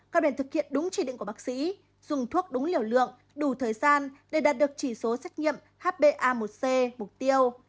các bên thực hiện đúng chỉ định của bác sĩ dùng thuốc đúng liều lượng đủ thời gian để đạt được chỉ số xét nghiệm h ba c mục tiêu